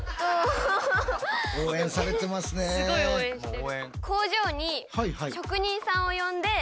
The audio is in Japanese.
すごい応援してる。